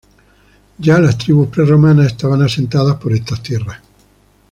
Ya las tribus prerromanas estaban asentadas por esas tierras.